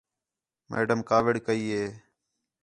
میڈم کاوِڑ کَئی ہے